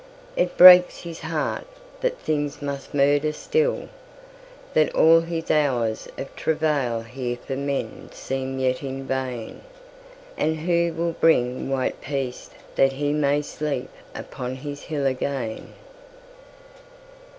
It breaks his heart that things must murder still, That all his hours of travail here for menSeem yet in vain. And who will bring white peaceThat he may sleep upon his hill again?